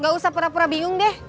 gak usah pura pura bingung deh